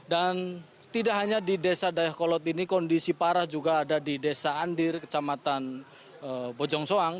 dan tidak hanya di desa dayuh kolot ini kondisi parah juga ada di desa andir kecamatan bojongsoang